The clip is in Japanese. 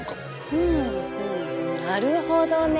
うんうんなるほどね。